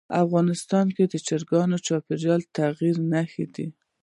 افغانستان کې چرګان د چاپېریال د تغیر نښه ده.